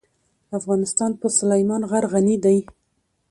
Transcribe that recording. افغانستان په سلیمان غر غني دی.